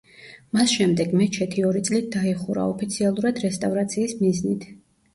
მას შემდეგ მეჩეთი ორი წლით დაიხურა, ოფიციალურად რესტავრაციის მიზნით.